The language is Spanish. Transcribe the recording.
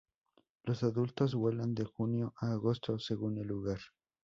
Los adultos vuelan de junio a agosto, según el lugar.